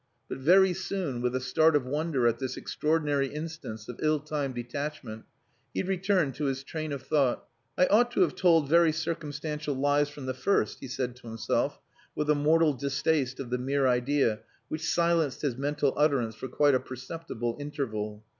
But very soon, with a start of wonder at this extraordinary instance of ill timed detachment, he returned to his train of thought. "I ought to have told very circumstantial lies from the first," he said to himself, with a mortal distaste of the mere idea which silenced his mental utterance for quite a perceptible interval.